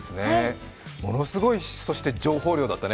ものすごい情報量だったね。